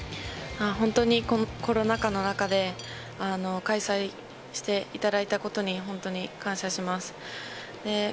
本当にこのコロナ禍の中で、開催していただいたことに、本当に感謝します。